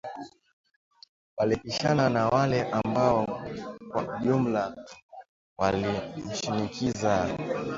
Walipishana na wale ambao kwa ujumla walimshinikiza